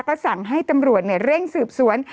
ก็สั่งให้ตำรวจเร่งสืบสวน